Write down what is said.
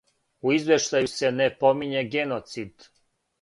У извештају се не помиње геноцид.